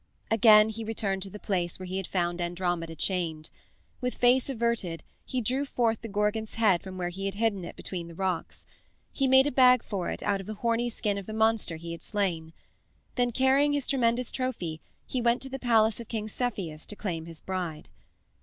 Again he returned to the place where he had found Andromeda chained. With face averted he drew forth the Gorgon's head from where he had hidden it between the rocks. He made a bag for it out of the horny skin of the monster he had slain. Then, carrying his tremendous trophy, he went to the palace of King Cepheus to claim his bride.